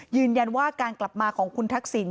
ยืนยันว่าการกลับมาของคุณทักษิณ